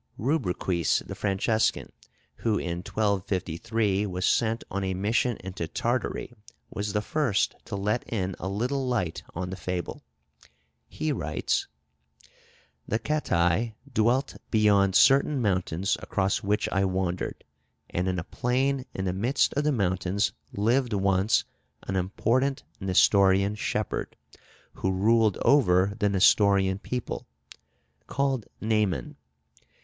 Rubruquis the Franciscan, who in 1253 was sent on a mission into Tartary, was the first to let in a little light on the fable. He writes, "The Catai dwelt beyond certain mountains across which I wandered, and in a plain in the midst of the mountains lived once an important Nestorian shepherd, who ruled over the Nestorian people, called Nayman.